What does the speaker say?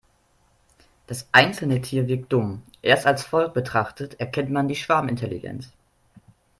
Das einzelne Tier wirkt dumm, erst als Volk betrachtet erkennt man die Schwarmintelligenz.